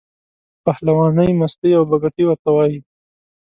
پهلوانۍ، مستۍ او بګتۍ ورته وایي.